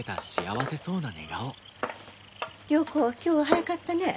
良子今日は早かったね。